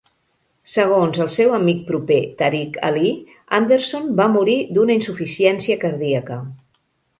Segons el seu amic proper Tariq Ali, Anderson va morir d'una insuficiència cardíaca.